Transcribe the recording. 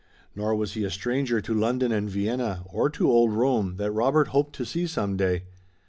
Nor was he a stranger to London and Vienna or to old Rome that Robert hoped to see some day.